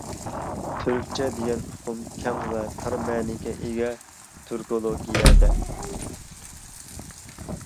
تۈركچە دېگەن ئۇقۇم كەڭ ۋە تار مەنىگە ئىگە تۈركولوگىيەدە.